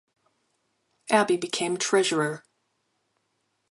Abby became treasurer.